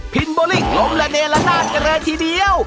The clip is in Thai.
พิมพ์โบลิ่งล้มและเนรันหน้ากันเลยทีเดียว